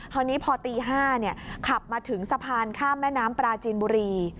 คราวนี้พอตี๕ขับมาถึงสะพานข้ามแม่น้ำปลาจีนบุรี